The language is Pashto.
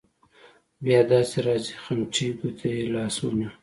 بیا داسې راځې خمچۍ ګوتې ته يې لاس ونیو.